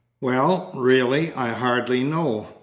"Well, really I hardly know.